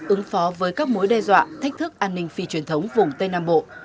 ứng phó với các mối đe dọa thách thức an ninh phi truyền thống vùng tây nam bộ